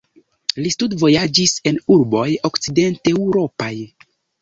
Li studvojaĝis en urboj okcidenteŭropaj.